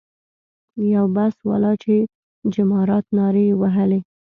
یو بس والا چې جمارات نارې یې وهلې.